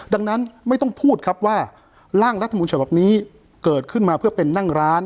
ดังนั้นไม่ต้องพูดครับว่าร่างรัฐมนต์ฉบับนี้เกิดขึ้นมาเพื่อเป็นนั่งร้าน